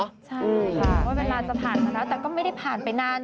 ใช่ค่ะว่าเวลาจะผ่านมาแล้วแต่ก็ไม่ได้ผ่านไปนาน